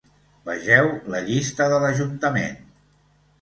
Vegeu la llista de l'ajuntament.